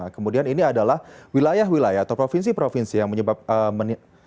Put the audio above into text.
kemudian ini adalah wilayah wilayah atau provinsi provinsi yang menyebabkan